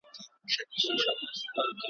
سجدې مي وړای ستا تر چارچوبه خو چي نه تېرېدای ,